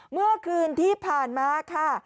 เมื่อคืนที่ผ่านมาค่ะ